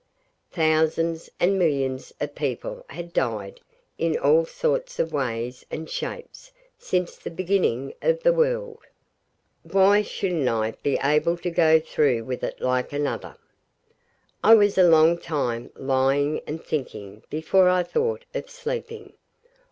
Thousands and millions of people had died in all sorts of ways and shapes since the beginning of the world. Why shouldn't I be able to go through with it like another? I was a long time lying and thinking before I thought of sleeping.